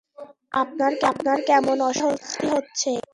আমার কেমন অস্বস্তি হচ্ছে!